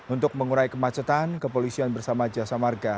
untuk mengurai kemacetan kepolisian bersama jasa marga